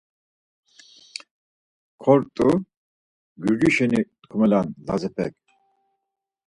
Kortu, Gurci şeni tkumenan Lazepek.